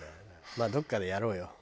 まあどこかでやろうよ。